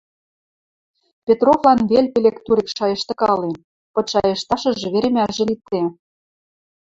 Петровлан вел пелек-турек шайыштыкален, пыт шайышташыжы веремӓжӹ лиде.